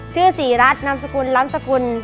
ชื่อศรีรัฐนามสกุลล้ำสกุล